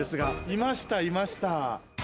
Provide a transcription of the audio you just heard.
いましたいました。